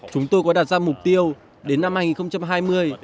chúng tôi có đặt ra mục tiêu đến năm hai nghìn hai mươi